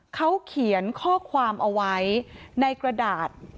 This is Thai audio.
เขาเขียนข้อความเอาไว้ในกระดาษ